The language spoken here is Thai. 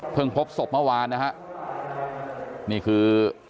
พบศพเมื่อวานนะฮะนี่คือ